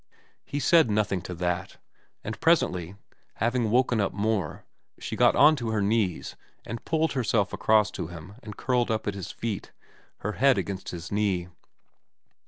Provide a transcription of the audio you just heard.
He said nothing to that ; and presently, having woken up more, she got on to her knees and pulled xxn VERA 243 herself across to him and curled up at his feet, her head against his knee.